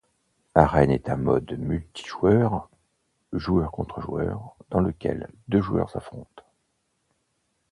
Arène est un mode multijoueur joueur contre joueur dans lequel deux joueurs s'affrontent.